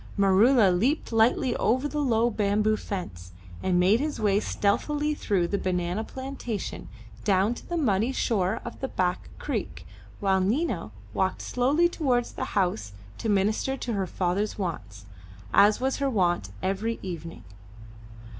Maroola leaped lightly over the low bamboo fence, and made his way stealthily through the banana plantation down to the muddy shore of the back creek, while Nina walked slowly towards the house to minister to her father's wants, as was her wont every evening.